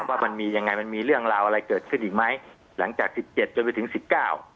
ว่ามันมียังไงมันมีเรื่องราวอะไรเกิดขึ้นอีกไหมหลังจากสิบเจ็ดจนไปถึงสิบเก้า